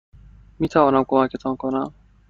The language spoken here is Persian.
میتوانم کمکتان کنم؟